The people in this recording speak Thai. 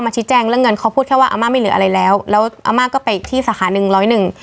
ชี้แจ้งเรื่องเงินเขาพูดแค่ว่าอาม่าไม่เหลืออะไรแล้วแล้วอาม่าก็ไปที่สาขาหนึ่งร้อยหนึ่ง